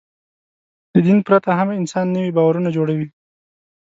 د دین پرته هم انسان نوي باورونه جوړوي.